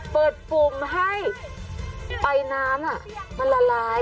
เปิดปุ่มให้ปลายน้ำมันละลาย